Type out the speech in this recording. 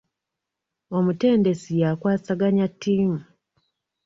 Omutendesi yakwasaganya ttiimu.